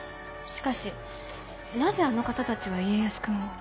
しかしなぜあの方たちは家康君を？